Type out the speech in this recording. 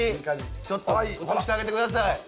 ちょっと写してあげて下さい。